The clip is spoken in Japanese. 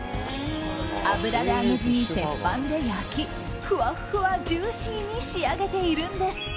油で揚げずに鉄板で焼きふわっふわジューシーに仕上げているんです。